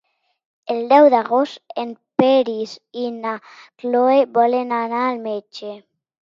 El deu d'agost en Peris i na Cloè volen anar al metge.